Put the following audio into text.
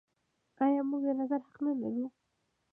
آیا موږ د نظر حق نلرو؟